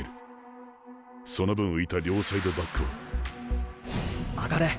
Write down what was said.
その分浮いた両サイドバックは。